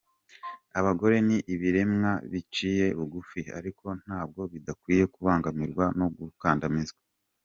Abagore ni ibiremwa biciye bugufi ariko nabwo bidakwiye kubangamirwa no gukandamizwa.